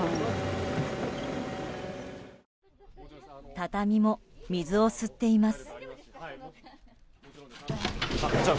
畳も水を吸っています。